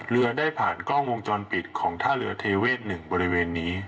เรือได้ผ่านกล้องวงจรปิดของท่าเรือเทเวศ๑บริเวณนี้